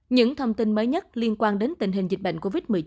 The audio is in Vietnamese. những thông tin mới nhất liên quan đến tình hình dịch bệnh covid một mươi chín